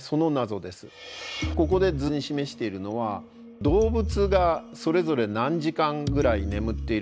ここで図に示しているのは動物がそれぞれ何時間ぐらい眠っているか。